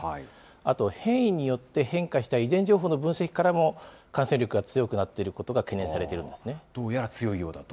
あと、変異によって変化した遺伝情報の分析からも、感染力が強くなっていることが懸念されているどうやら強いようだと？